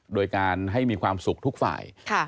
โดยการให้มีความสุขทุกฝ่าย